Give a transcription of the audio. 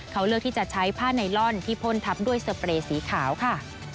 เขาเลือกที่จะใช้ผ้าไนลอนที่พ่นทับด้วยสเปรย์สีขาวค่ะ